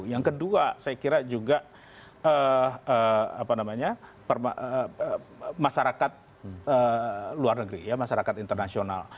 yang kedua saya kira juga masyarakat luar negeri ya masyarakat internasional